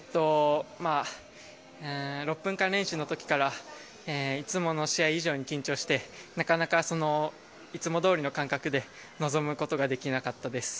６分間練習の時からいつもの試合以上に緊張してなかなかいつもどおりの感覚で臨むことができなかったです。